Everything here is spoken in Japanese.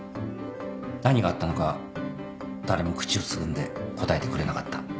何があったのか誰も口をつぐんで答えてくれなかった。